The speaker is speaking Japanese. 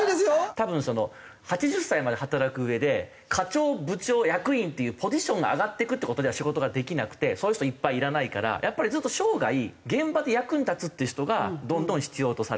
多分８０歳まで働くうえで課長部長役員っていうポジションが上がっていくって事では仕事ができなくてそういう人いっぱいいらないからやっぱりずっと生涯現場で役に立つっていう人がどんどん必要とされて。